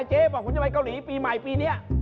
เจ๊บอกคุณจะไปเกาหลีปีใหม่ปีนี้